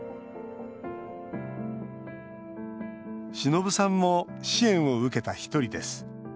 忍さんも支援を受けた一人です。